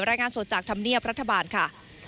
รายงานสดจากธรรมเนียบรัฐบาลค่ะ